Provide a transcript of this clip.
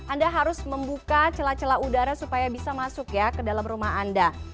anda harus membuka celah celah udara supaya bisa masuk ya ke dalam rumah anda